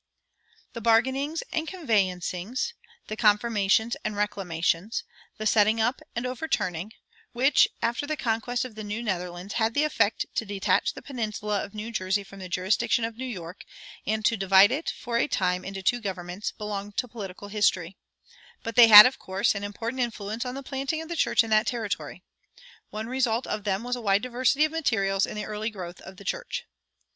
The bargainings and conveyancings, the confirmations and reclamations, the setting up and overturning, which, after the conquest of the New Netherlands, had the effect to detach the peninsula of New Jersey from the jurisdiction of New York, and to divide it for a time into two governments, belong to political history; but they had, of course, an important influence on the planting of the church in that territory. One result of them was a wide diversity of materials in the early growth of the church.